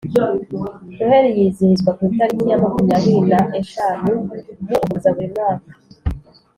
Noheli yizihizwa ku itariki ya makumyabiri na eshanu mu ukuboza buri mwaka